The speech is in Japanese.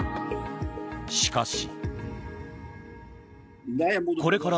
しかし。